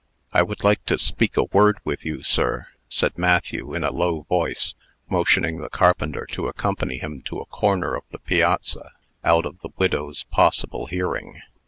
"I would like to speak a word with you, sir," said Matthew, in a low voice, motioning the carpenter to accompany him to a corner of the piazza, out of the widow's possible hearing.